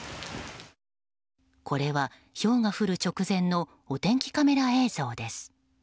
これは、ひょうが降る直前のお天気カメラ映像です。